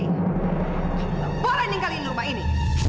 kamu tak boleh meninggalin rumah ini